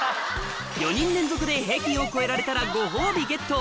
４人連続で平均を超えられたらご褒美ゲット